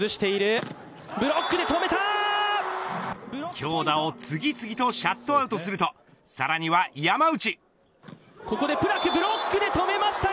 強打を次々とシャットアウトするとさらには山内。